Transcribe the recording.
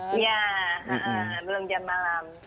iya belum jam malam